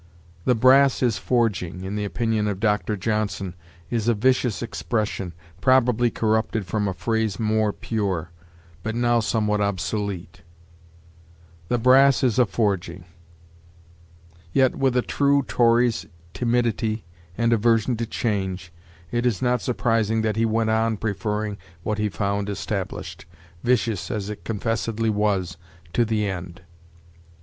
'"The brass is forging,"' in the opinion of Dr. Johnson, is 'a vicious expression, probably corrupted from a phrase more pure, but now somewhat obsolete, ... "the brass is a forging."' Yet, with a true Tory's timidity and aversion to change, it is not surprising that he went on preferring what he found established, vicious as it confessedly was, to the end.